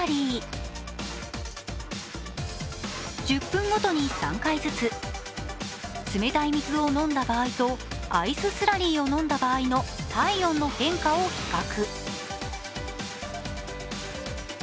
１０分ごとに３回ずつ、冷たい水を飲んだ場合とアイススラリーを飲んだ場合の体温の変化を比較。